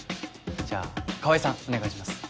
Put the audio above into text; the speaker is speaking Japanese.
じゃあ川合さんお願いします。